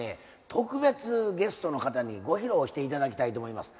特別ゲストの方にご披露して頂きたいと思います。